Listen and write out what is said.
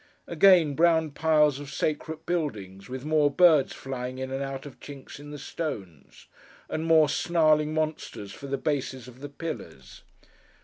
Again, brown piles of sacred buildings, with more birds flying in and out of chinks in the stones; and more snarling monsters for the bases of the pillars.